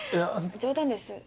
冗談です。